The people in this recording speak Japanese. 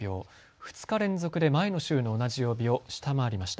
２日連続で前の週の同じ曜日を下回りました。